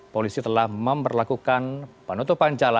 polisi telah memperlakukan penutupan jalan